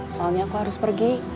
soalnya aku harus pergi